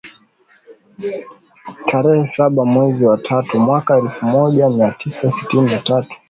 wa tarehe saba mwezi wa tatu mwaka elfu moja mia tisa sitini na tatu